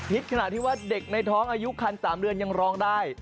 ขนาดที่ว่าเด็กในท้องอายุคัน๓เดือนยังร้องได้